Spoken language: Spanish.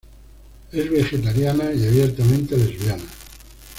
Es vegetariana y abiertamente lesbiana.